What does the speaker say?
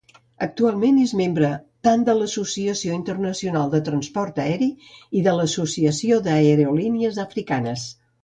Actualment és membre tant de l'Associació Internacional del Transport Aeri i de l'Associació d'Aerolínies Africanes.